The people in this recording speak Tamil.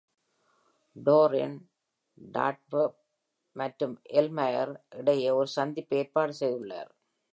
டோரின், டார்ட்டஃப் மற்றும் எல்மயர் இடையே ஒரு சந்திப்பை ஏற்பாடு செய்துள்ளார்.